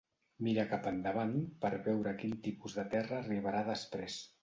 Mira cap endavant per veure a quin tipus de terra arribarà després.